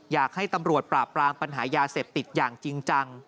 อยากให้ตำรวจปราบปรามปัญหายาเสพติดอย่างจริงจัง